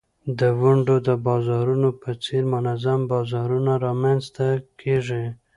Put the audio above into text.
د ونډو د بازارونو په څېر منظم بازارونه رامینځته کیږي.